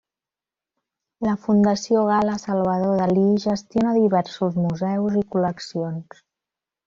La Fundació Gala-Salvador Dalí gestiona diversos museus i col·leccions.